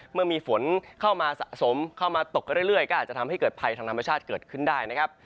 เมื่อมีฝนเข้ามาสะสมเข้ามาตกเรื่อยก็อาจจะทำให้เกิดภัยทางธรรมชาติเกิดขึ้นได้นะครับ